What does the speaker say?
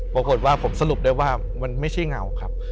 ปรากฏว่าผมสรุปได้ว่ามันไม่ใช่เงาครับ